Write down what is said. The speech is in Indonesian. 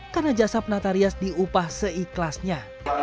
karena jasa penata rias diupah seikhlasnya